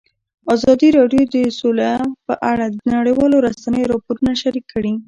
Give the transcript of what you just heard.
ازادي راډیو د سوله په اړه د نړیوالو رسنیو راپورونه شریک کړي.